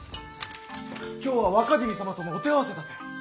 今日は若君様とのお手合わせだて！